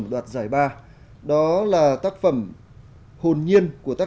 lúc đầu thì có